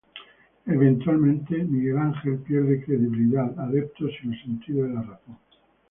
Eventualmente, Miguel Ángel pierde credibilidad, adeptos y el sentido de la razón.